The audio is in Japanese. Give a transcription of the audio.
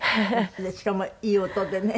しかもいい音でね。